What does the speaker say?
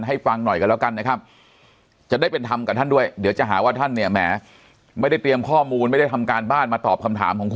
ฟังหน่อยกันแล้วกันนะครับจะได้เป็นธรรมกับท่านด้วยเดี๋ยวจะหาว่าท่านเนี่ยแหมไม่ได้เตรียมข้อมูลไม่ได้ทำการบ้านมาตอบคำถามของคุณ